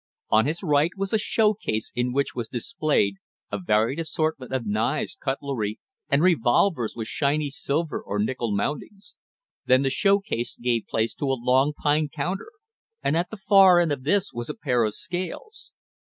On his right was a show case in which was displayed a varied assortment of knives, cutlery, and revolvers with shiny silver or nickel mountings; then the show case gave place to a long pine counter, and at the far end of this was a pair of scales.